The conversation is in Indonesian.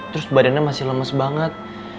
terus badannya masih lemes banget